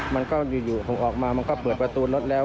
มันก็อยู่ผมออกมามันก็เปิดประตูรถแล้ว